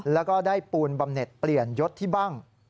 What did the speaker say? แล้วก็ได้ปูนบำเน็ตเปลี่ยนยศที่บ้าง